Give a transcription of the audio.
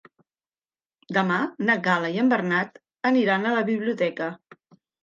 Demà na Gal·la i en Bernat aniré a la biblioteca.